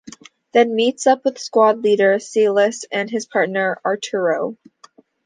Then meets up with squad leader, Silas and his partner Arturo.